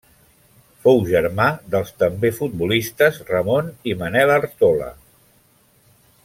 Fou germà dels també futbolistes Ramon i Manuel Artola.